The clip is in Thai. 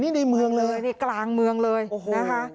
นี่ในเมืองเลยในกลางเมืองเลยนะคะ